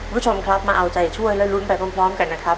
คุณผู้ชมครับมาเอาใจช่วยและลุ้นไปพร้อมกันนะครับ